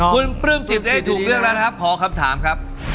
คุณปลื้มจิตได้ถูกเรื่องแล้วนะครับขอคำถามครับ